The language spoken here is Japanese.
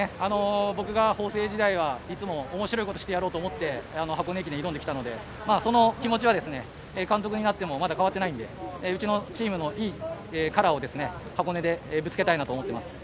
僕は法政時代は面白いことをしてやろうと思って箱根に挑んできたので、その気持ちは監督になっても変わっていないので、チームのいいカラーを箱根でぶつけたいと思います。